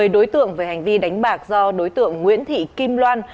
một mươi đối tượng về hành vi đánh bạc do đối tượng nguyễn thị kim loan